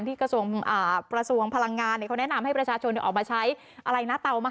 ที่กระทรวงพลังงานเนี่ย